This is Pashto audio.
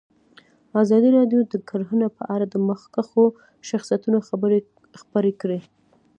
ازادي راډیو د کرهنه په اړه د مخکښو شخصیتونو خبرې خپرې کړي.